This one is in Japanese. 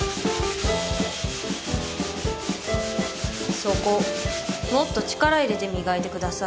そこもっと力入れて磨いてください。